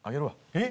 えっ！？